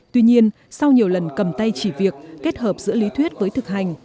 tuy nhiên sau nhiều lần cầm tay chỉ việc kết hợp giữa lý thuyết với thực hành